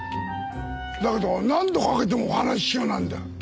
だけど何度かけてもお話し中なんだよ。